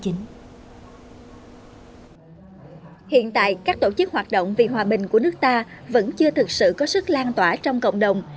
hiện tại các tổ chức hoạt động vì hòa bình của nước ta vẫn chưa thực sự có sức lan tỏa trong cộng đồng